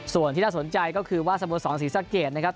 ส่วนที่น่าสนใจก็คือว่าสโมสรศรีสะเกดนะครับ